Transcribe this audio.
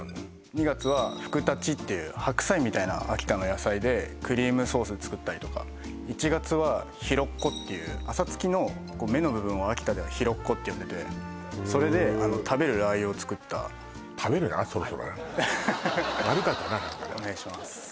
２月はふくたちっていう白菜みたいな秋田の野菜でクリームソース作ったりとか１月はひろっこっていうあさつきの芽の部分を秋田ではひろっこって呼んでてそれで食べるラー油を作った悪かったな何かなお願いします